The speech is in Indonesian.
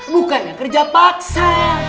bukannya kerja paksa